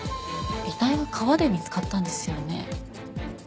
遺体は川で見つかったんですよね？